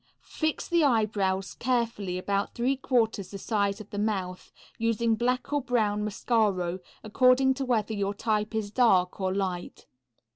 Fix the eyebrows carefully about three quarters the size of the mouth, using black or brown mascaro according to whether your type is dark or light.